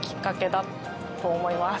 だと思います。